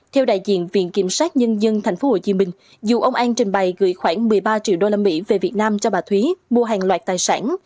theo đại diện viện kiểm soát nhân dân tp hcm dù ông an trình bày gửi khoảng một mươi ba triệu đô la mỹ về việt nam cho bà thúy mua hàng loạt tài sản